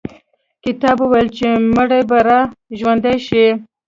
کتاب وویل چې مړي به را ژوندي شي.